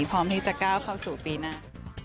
พร้อมที่จะก้าวเข้าสู่ปีหน้า